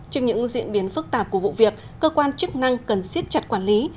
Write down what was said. trước những diễn biến phức tạp của vụ việc cơ quan chức năng cần siết chặt quản lý